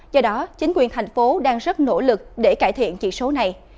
do đó chính quyền thành phố đang rất nỗ lực để cải thiện chỉ số này